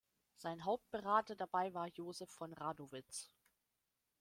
Sein Hauptberater dabei war Joseph von Radowitz.